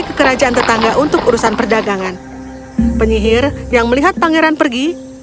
ke kerajaan tetangga untuk urusan perdagangan penyihir yang melihat pangeran pergi